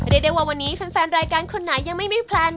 เรียกได้ว่าวันนี้แฟนรายการคนไหนยังไม่มีแพลน